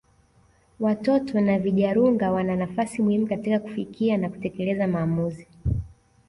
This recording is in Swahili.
Watoto na vijarunga wana nafasi muhimu katika kufikia na kutekeleza maamuzi